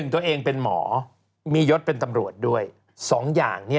๑ตัวเองเป็นหมอมียดเป็นตำรวจด้วย